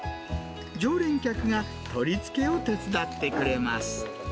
常連客が取り付けを手伝ってくれます。